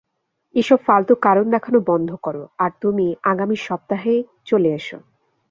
এসব ফালতু কারণ দেখানো বন্ধ করো, আর তুমি আগামী সপ্তাহেই চলে আসো।